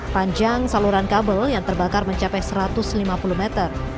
panjang saluran kabel yang terbakar mencapai satu ratus lima puluh meter